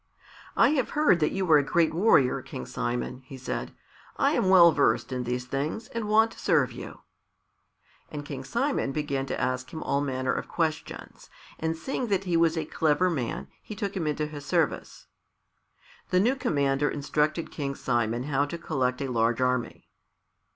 "I have heard that you are a great warrior, King Simon," he said. "I am well versed in these things and want to serve you." And King Simon began to ask him all manner of questions, and seeing that he was a clever man, he took him into his service. The new commander instructed King Simon how to collect a large army.